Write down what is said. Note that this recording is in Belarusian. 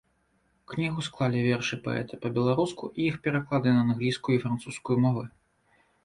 Кнігу склалі вершы паэта па-беларуску і іх пераклады на англійскую і французскую мовы.